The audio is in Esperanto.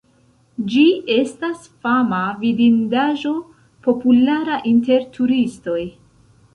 Ĝi estas fama vidindaĵo, populara inter turistoj.